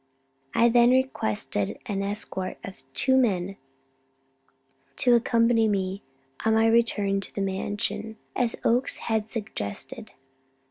I then requested an escort of two men to accompany me on my return to the Mansion, as Oakes had suggested.